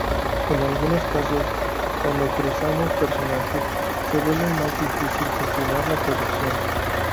En algunos casos, cuando cruzamos personajes, se vuelve más difícil gestionar la producción.